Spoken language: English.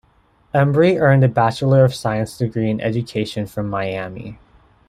Embry earned a bachelor of science degree in education from Miami.